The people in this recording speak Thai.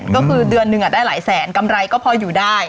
ก็คือเดือนหนึ่งได้หลายแสนกำไรก็พออยู่ได้